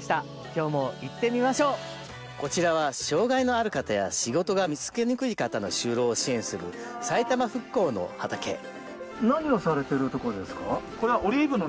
今日も行ってみましょうこちらは障害のある方や仕事が見つけにくい方の就労を支援する埼玉福興の畑何をされてるとこですか？